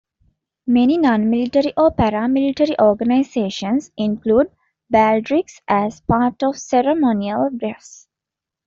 Many non-military or paramilitary organisations include baldrics as part of ceremonial dress.